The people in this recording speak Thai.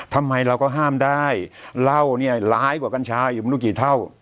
ทำไมเราก็ห้ามได้เหล้าเนี่ยร้ายกว่ากัญชาอยู่ไม่รู้กี่เท่า